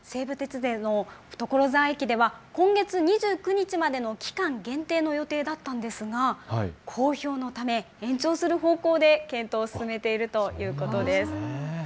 西武鉄道の所沢駅では今月２９日までの期間限定の予定だったんですが、好評のため延長する方向で検討を進めているということです。